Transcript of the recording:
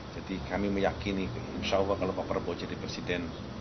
jadi kami meyakini insya allah kalau pak prabowo jadi presiden